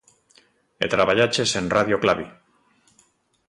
E traballaches en Radio Clavi.